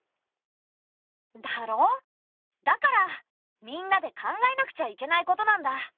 だろ？だからみんなで考えなくちゃいけないことなんだ。